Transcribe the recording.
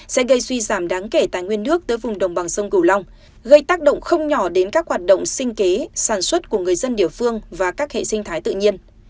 sẽ gây suy giảm đáng kể tài nguyên nước tới vùng đồng bằng sông cửu long gây tác động không nhỏ đến các hoạt động sinh kế sản xuất của người dân địa phương và các hệ sinh thái tự nhiên